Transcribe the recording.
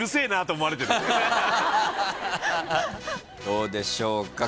どうでしょうか？